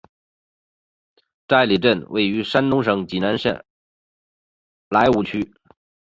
寨里镇位于山东省济南市莱芜区。